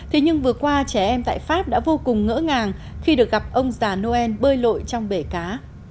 thế nhưng vừa qua trẻ em tại pháp đã vô cùng ngỡ ngàng khi được gặp ông già noel bơi lội trong bể cá